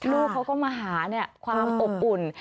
ลูกเขาก็มาหาความอบอุ่น